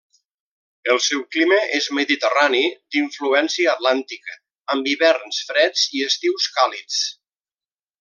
El seu clima és mediterrani d'influència atlàntica, amb hiverns freds i estius càlids.